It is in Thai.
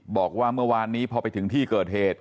บอกว่าเมื่อวานนี้พอไปถึงที่เกิดเหตุ